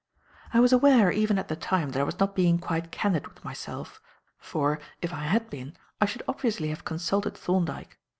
I was aware, even at the time, that I was not being quite candid with myself, for, if I had been, I should obviously have consulted Thorndyke.